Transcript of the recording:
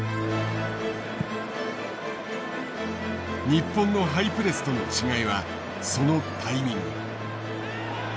日本のハイプレスとの違いはそのタイミング。